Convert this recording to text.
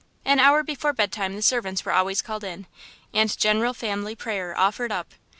An hour before bedtime the servants were always called in, and general family prayer offered up.